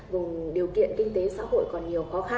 vùng điều kiện kinh tế xã hội còn nhiều khó khăn